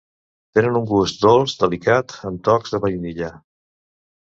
Tenen un gust dolç delicat, amb tocs de vainilla.